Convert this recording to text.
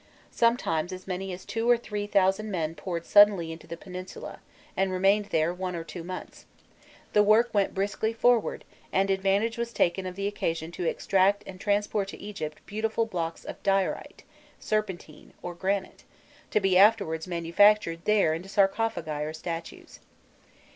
Sometimes as many as two or three thousand men poured suddenly into the peninsula, and remained there one or two months; the work went briskly forward, and advantage was taken of the occasion to extract and transport to Egypt beautiful blocks of diorite, serpentine or granite, to be afterwards manufactured there into sarcophagi or statues.